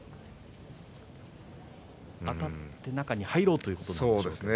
あたって中に入ろうということでしょうか。